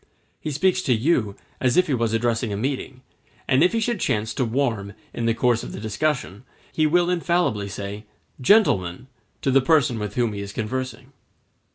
He speaks to you as if he was addressing a meeting; and if he should chance to warm in the course of the discussion, he will infallibly say, "Gentlemen," to the person with whom he is conversing.